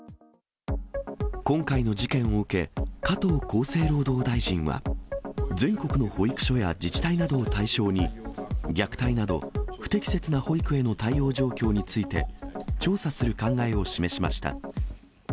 今回の事件を受け、加藤厚生労働大臣は、全国の保育所や自治体などを対象に、虐待など、不適切な保育への対応状況について、調査する考えを示しました。